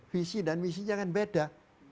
visi dan misinya kan beda